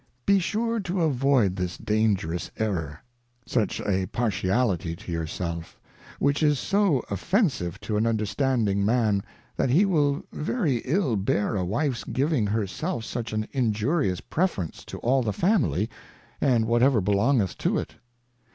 Be sure to avoid this dangerous Error, such a partiality to your Self, which is so offensive to an under standing Man, that he will very ill bear a Wife's giving her self such an injurious preference to all the Family, and whatever belong eth to it.